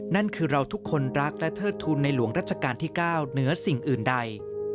นั่นคือเราทุกคนรักและเทิดทุนในหลวงรัชกาลที่๙เหนือสิ่งอื่นใด